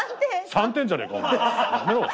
３点じゃねえかお前。